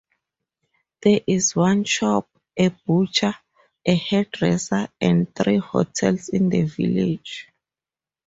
There is one shop, a butcher, a hairdresser and three hotels in the village.